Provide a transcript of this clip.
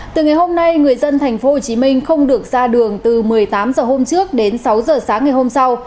từ ngày hôm nay người dân tp hcm không được ra đường từ một mươi tám h hôm trước đến sáu h sáng ngày hôm sau